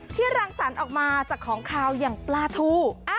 รังสรรค์ออกมาจากของขาวอย่างปลาทู